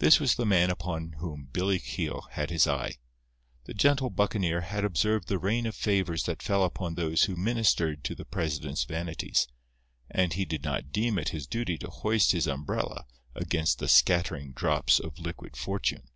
This was the man upon whom Billy Keogh had his eye. The gentle buccaneer had observed the rain of favors that fell upon those who ministered to the president's vanities, and he did not deem it his duty to hoist his umbrella against the scattering drops of liquid fortune.